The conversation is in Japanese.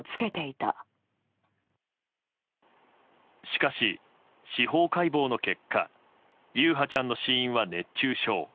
しかし、司法解剖の結果優陽ちゃんの死因は熱中症。